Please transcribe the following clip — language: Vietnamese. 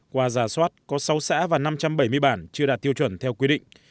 qua giả soát có sáu xã và năm trăm bảy mươi bản chưa đạt tiêu chuẩn theo quy định